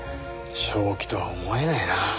正気とは思えないな。